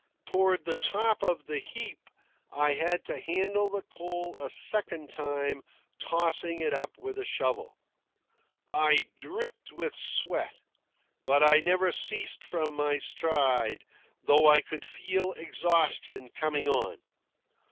Toward the top of the heap I had to handle the coal a second time, tossing it up with a shovel. I dripped with sweat, but I never ceased from my stride, though I could feel exhaustion coming on.